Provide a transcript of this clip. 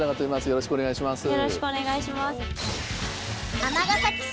よろしくお願いします。